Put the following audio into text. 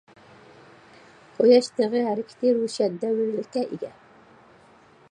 قۇياش دېغى ھەرىكىتى روشەن دەۋرىيلىككە ئىگە.